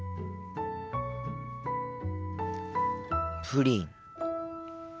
プリン。